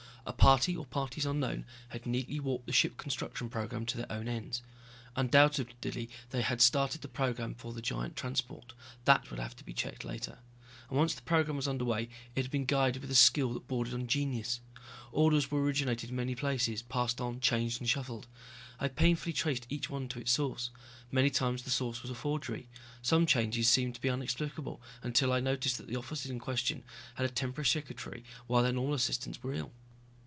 A party or parties unknown had neatly warped the ship construction program to their own ends. Undoubtedly they had started the program for the giant transport, that would have to be checked later. And once the program was underway, it had been guided with a skill that bordered on genius. Orders were originated in many places, passed on, changed and shuffled. I painfully traced each one to its source. Many times the source was a forgery. Some changes seemed to be unexplainable, until I noticed the officers in question had a temporary secretary while their normal assistants were ill.